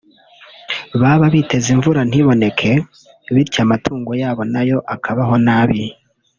baba biteze imvura ntiboneke bityo amatungo yabo nayo akabaho nabi